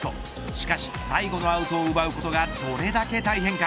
しかし最後のアウトを奪うことがどれだけ大変か。